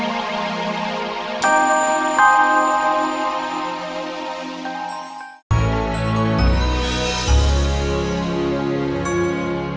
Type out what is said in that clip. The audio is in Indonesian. tidak ada apa apa